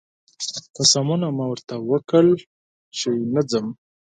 قسمونه مې ورته وکړل چې نه ځم